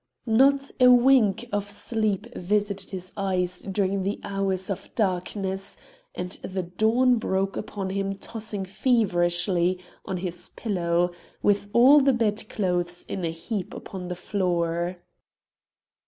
Not a wink of sleep visited his eyes during the hours of darkness, and the dawn broke upon him tossing feverishly on his pillow, with all the bedclothes in a heap upon the floor.